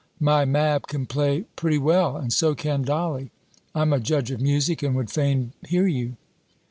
My Mab can play pretty well, and so can Dolly; I'm a judge of music, and would fain hear you."